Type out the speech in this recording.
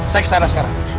saya ke sana sekarang